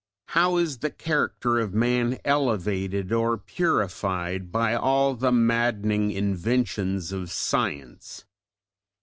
How is the character of man elevated or purified by all the maddening inventions of science?